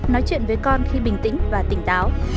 nói chuyện với con khi bình tĩnh và tỉnh táo